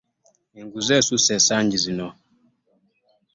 Enguzi esuuse ensangi zino.